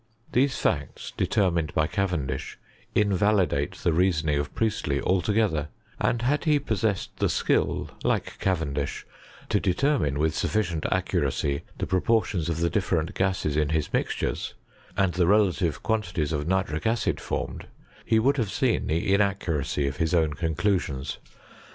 These facts, determined by Cavendisli, invalidate the reasoning of Priestky alto § ether ; and had he pnsaeased the skill, like CavED ish, to determine with sufficient accuracy the pro portions of the different gases in his mixtures, and thr relative qnuntities of nitric acid formed, be would have seen the inaccuracy of his own con clusions.